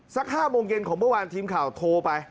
สัก๕โมงเย็นของเมื่อวานทีมข่าวโทรไป